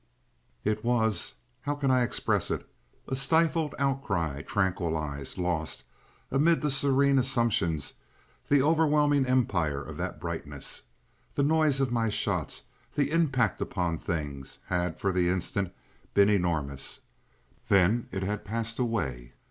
It was—how can I express it?—a stifled outcry tranquilized, lost, amid the serene assumptions, the overwhelming empire of that brightness. The noise of my shots, the impact upon things, had for the instant been enormous, then it had passed away.